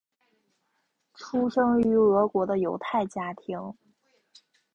出生于俄国的犹太家庭。